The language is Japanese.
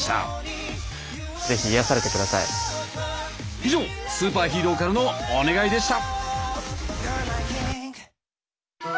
以上スーパーヒーローからのお願いでした！